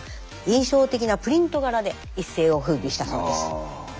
印象的なプリント柄で一世を風靡したそうです。